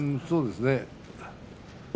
そうですね。